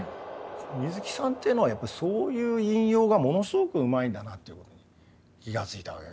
水木さんっていうのはやっぱりそういう引用がものすごくうまいんだなっていうことに気が付いたわけ。